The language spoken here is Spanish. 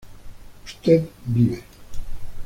usted vive